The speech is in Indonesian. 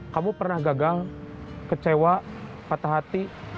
kamu pernah gagal kecewa patah hati